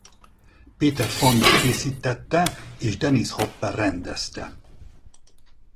Peter Fonda készítette és Dennis Hopper rendezte.